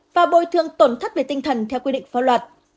và bồi thương tổn thất về tinh thần theo quy định pháp luật